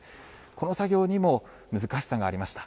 この作業にも難しさがありました。